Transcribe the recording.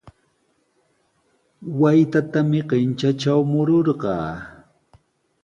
Waytatami qintrantraw mururqaa.